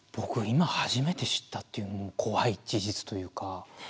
今初めて知ったっていうのも怖い事実というか。